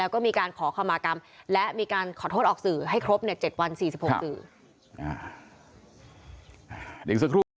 ก็มีการขอคำมากรรมและมีการขอโทษออกสื่อให้ครบ๗วัน๔๖สื่อ